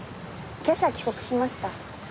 今朝帰国しました。